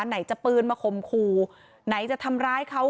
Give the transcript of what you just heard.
ไหนจะปืนมาข่มขู่ไหนจะทำร้ายเขา